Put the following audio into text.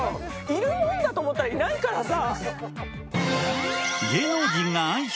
いるもんだと思ったらいないからさ。